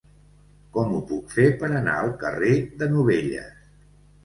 Com ho puc fer per anar al carrer de Novelles?